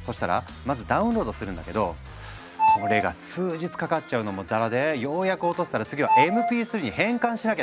そしたらまずダウンロードするんだけどこれが数日かかっちゃうのもざらでようやく落とせたら次はＭＰ３に変換しなきゃならなかったんだ。